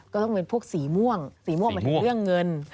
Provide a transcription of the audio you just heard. ก็ต้องเป็นพวกสีม่วงสีม่วงหมายถึงเรื่องเงิน